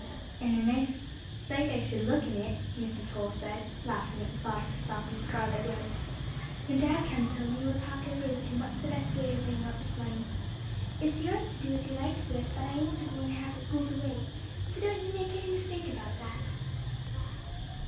"And a nice sight I should look in it," Mrs. Holl said, laughing at the thought of herself in scarlet robes. "When dad comes home we will talk over with him what's the best way of laying out this money. It's yours to do as you likes with, but I ain't a going to have it fooled away, so don't you make any mistake about that."